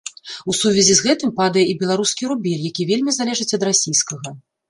У сувязі з гэтым падае і беларускі рубель, які вельмі залежыць ад расійскага.